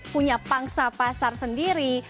punya pangsa pasar sendiri